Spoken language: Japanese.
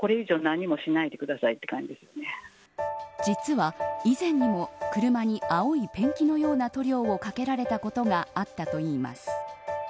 実は以前にも車に青いペンキのような塗料をかけられたことがあったといいます。